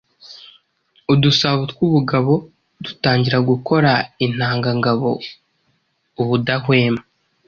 Udusabo tw’ubugabo dutangira gukora intanga ngabo ubudahwema.